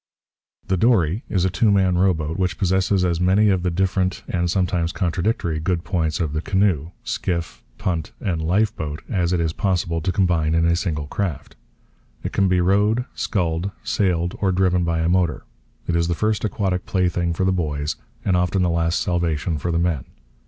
The dory is a two man rowboat which possesses as many of the different, and sometimes contradictory, good points of the canoe, skiff, punt, and lifeboat as it is possible to combine in a single craft. It can be rowed, sculled, sailed, or driven by a motor. It is the first aquatic plaything for the boys, and often the last salvation for the men.